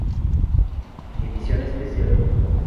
Edición especial